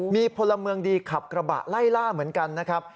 มีพลเมืองดีขับกระบะไล่ล่าเหมือนกันนะครับ